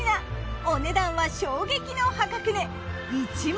お値段は衝撃の破格値。